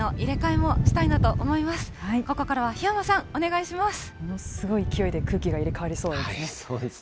ものすごい勢いで空気が入れそうですね。